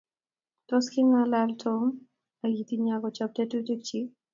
Tos kingalal tom akinye akopo tetutik chi